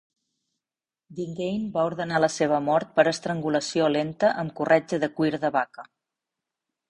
Dingane va ordenar la seva mort per estrangulació lenta amb corretja de cuir de vaca.